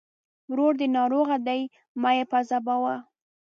ورور دې ناروغه دی! مه يې پاذابوه.